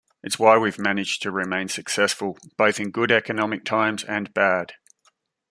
It's why we've managed to remain successful, both in good economic times and bad.